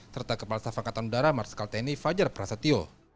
serta kepala staf angkatan darat marskal tni fajar prasetyo